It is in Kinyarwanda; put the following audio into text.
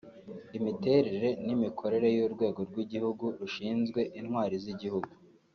imiterere n’imikorere by’Urwego rw’Igihugu rushinzwe Intwari z’Igihugu